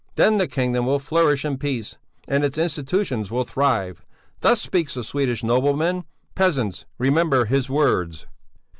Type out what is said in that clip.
Then the kingdom will flourish in peace and its institutions will thrive. Thus speaks a Swedish nobleman! Peasants, remember his words!"